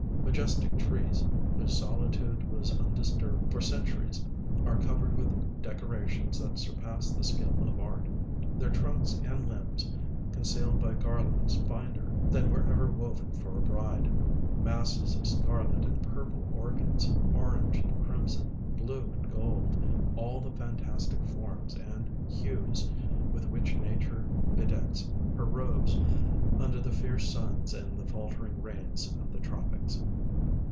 Majestic trees whose solitude was undisturl^ed for centuries are covered with decora tions that sur))ass the skill of art; their trunks and limbs con cealed by garlands finer tlian were ever woven for a bride — masses of scarlet and jnirple orchids, orange and crimson, l)lue and gold — all the fantastic forms and lines with which nature liedecks her robes under the fierce suns and the faltering rains of the tropics.